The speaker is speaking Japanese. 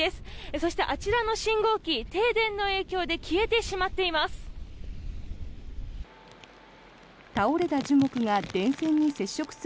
そして、あちらの信号機停電の影響で消えてしまっています。